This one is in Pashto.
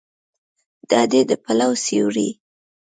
د ادې د پلو سیوری